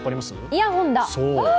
イヤホンだ！